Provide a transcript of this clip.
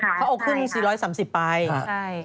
เขาเอาขึ้นสี่ร้อยสามสิบไปใช่